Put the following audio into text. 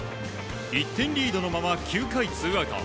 １点リードのまま９回ツーアウト。